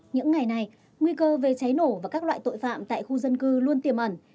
những ngày này nguy cơ về cháy nổ và các loại tội phạm tại khu dân cư luôn tiềm ẩn